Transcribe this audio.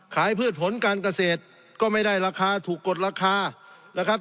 พืชผลการเกษตรก็ไม่ได้ราคาถูกกดราคานะครับ